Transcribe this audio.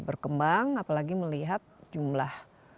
berkembang apalagi melihat jumlah